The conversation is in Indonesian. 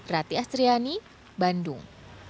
rati astriani bandung